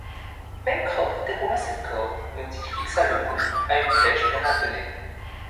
Pencroff déroula cette corde, dont il fixa le bout à une flèche bien empennée